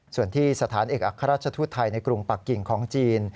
ส่วนที่สถานเอกอัครราชทูตไทยในกรุงปักกิ่งของจีน